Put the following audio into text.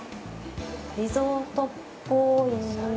リゾートっぽい。